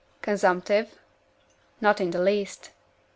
"Consumptive?" "Not in the least."